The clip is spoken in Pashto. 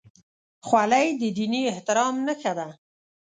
خولۍ د دیني احترام نښه ده.